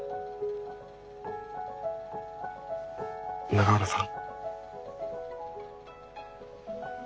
永浦さん。